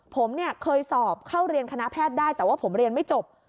ผมเนี่ยเคยสอบเข้าเรียนคณะแพทย์ได้แต่ว่าผมเรียนไม่จบ